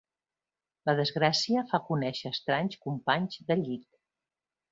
La desgràcia fa conèixer estranys companys de llit.